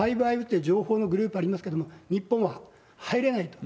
いう情報のグループありますけれども、日本は入れないと。